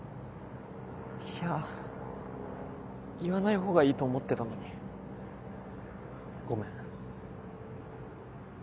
いや言わない方がいいと思ってたのにごめん。